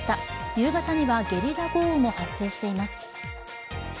夕方にはゲリラ豪雨も発生しています。